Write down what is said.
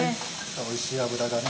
おいしい脂がね。